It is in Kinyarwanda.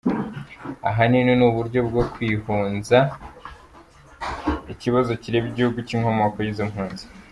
Ahanini ari uburyo bwo kwihunza ikibazo kireba igihugu cy’inkomoko y’izo mpunzi.